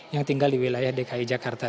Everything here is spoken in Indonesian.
yang tinggal di wilayah dki jakarta